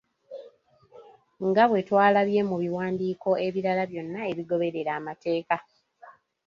Nga bwe twalabye mu biwandiiko ebirala byonna ebigoberera amateeka.